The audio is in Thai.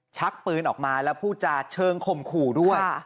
ชักปืนออกมาและผู้จาเชิงโขมขู่ด้วยค่ะ